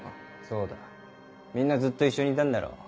そうだみんなずっと一緒にいたんだろう。